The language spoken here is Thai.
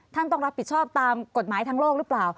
ต้องรับผิดชอบตามกฎหมายทางโลกหรือเปล่า